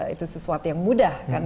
itu sesuatu yang mudah kan